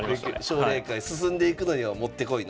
奨励会進んでいくのには持って来いの。